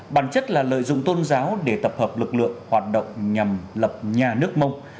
bản chất là lợi dụng tôn giáo để tập hợp lực lượng hoạt động nhằm lập nhà nước mông